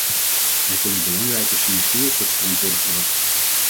Er kunnen belangrijke synergieën tot stand worden gebracht.